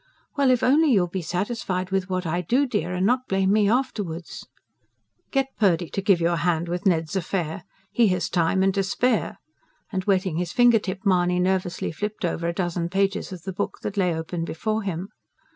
"Well, if only you'll be satisfied with what I do, dear, and not blame me afterwards." "Get Purdy to give you a hand with Ned's affair. He has time and to spare." And wetting his finger tip Mahony nervously flipped over a dozen pages of the book that lay open before him.